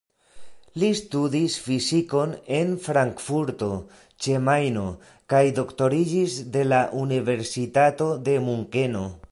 Li studis fizikon en Frankfurto ĉe Majno kaj doktoriĝis de la Universitato de Munkeno.